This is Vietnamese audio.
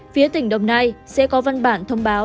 phía tỉnh đồng nai sẽ có văn bản thông báo